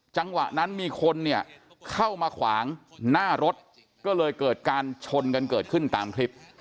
จังหวะนั้นมีคนเนี่ยเข้ามาขวางหน้ารถก็เลยเกิดการชนกันเกิดขึ้นตามคลิป